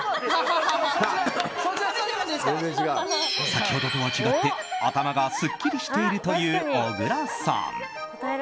先ほどとは違って頭がすっきりしているという小倉さん。